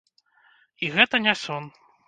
І гэта не сон!